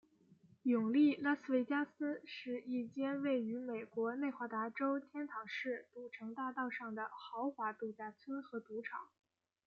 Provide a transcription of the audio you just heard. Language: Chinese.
永利拉斯维加斯是一间位于美国内华达州天堂市赌城大道上的豪华度假村和赌场。